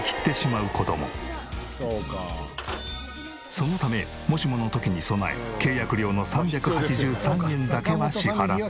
そのためもしもの時に備え契約料の３８３円だけは支払っている。